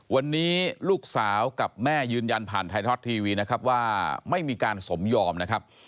วันนี้ลูกสาวกับแม่ยืนยันผ่านไทยรัฐทีวีนะครับว่าไม่มีการสมยอมนะครับ